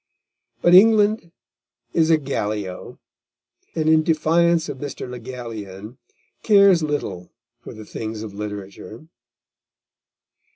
But England is a Gallio, and in defiance of Mr. Le Gallienne, cares little for the things of literature.